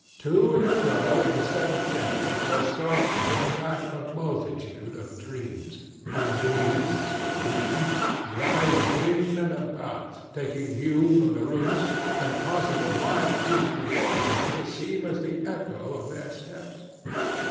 To and fro in the seven chambers there stalked, in fact, a multitude of dreams. And these—the dreams—writhed in and about, taking hue from the rooms, and causing the wild music of the orchestra to seem as the echo of their steps.